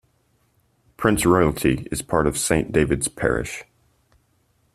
Prince Royalty is part of St. David's Parish.